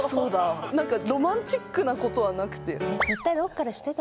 なんかロマンチックなことはなくて。